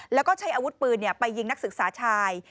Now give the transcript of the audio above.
แล้วก็ใช้อาวุธปืนไปยิงนักศึกษาชาย